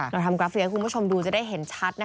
เราทำกราฟิกให้คุณผู้ชมดูจะได้เห็นชัด